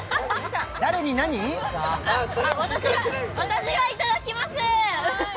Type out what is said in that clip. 私がいただきます。